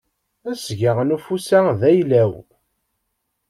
Asga n ufus-a d ayla-w.